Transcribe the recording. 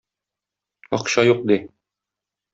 Акча юк, - ди.